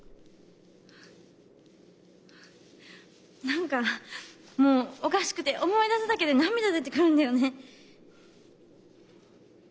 何かもうおかしくて思い出すだけで涙出てくるんだよね。